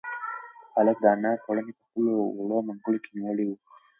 هلک د انا پړونی په خپلو وړو منگولو کې نیولی و.